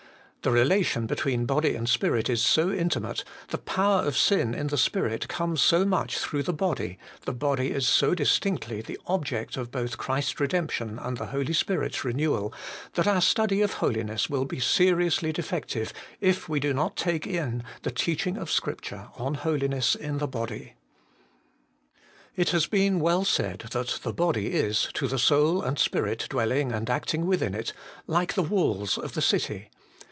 The relation between body and spirit is so intimate, the power of sin in the spirit comes so much through the body, the body is so distinctly the object both of Christ's redemption and the Holy Spirit's renewal, that our study of holiness will be seriously defective if we do not take in the teaching of Scripture on holiness in the body. It has been well said that the body is, to the soul and spirit dwelling and acting within it, like the walls of the city.